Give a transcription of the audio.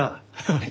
はい。